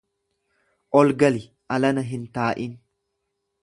Ol gali alana hin taa'in.